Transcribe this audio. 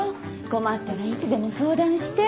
困ったらいつでも相談して。